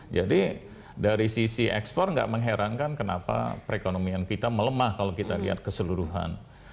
jadi dari sisi ekspor nggak mengherankan kenapa perekonomian kita melemah kalau kita lihat keseluruhan